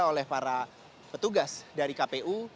oleh para petugas dari kpu